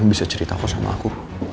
kamu bisa ceritakan sama aku